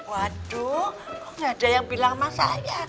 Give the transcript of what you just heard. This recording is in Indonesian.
waduh gak ada yang bilang sama saya